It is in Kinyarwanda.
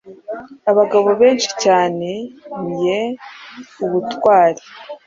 Abagabo benshi cyane mien ubutwari